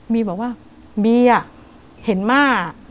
บอกว่าบีเห็นม่า